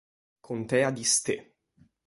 Contea di Ste.